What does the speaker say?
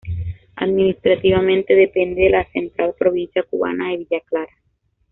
Administrativamente depende de la central provincia cubana de Villa Clara.